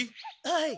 はい。